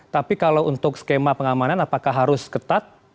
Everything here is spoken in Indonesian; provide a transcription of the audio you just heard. tapi kalau untuk skema pengamanan apakah harus ketat